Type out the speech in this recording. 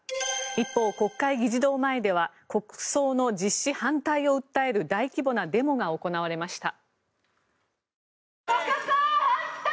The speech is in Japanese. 一方、国会議事堂前では国葬の実施反対を訴える大規模なデモが行われました。